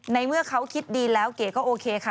เมื่อเขาคิดดีแล้วเก๋ก็โอเคค่ะ